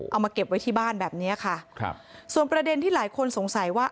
เอามาเก็บไว้ที่บ้านแบบเนี้ยค่ะครับส่วนประเด็นที่หลายคนสงสัยว่า